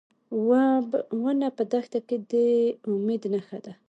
ونه په دښته کې د امید نښه ده.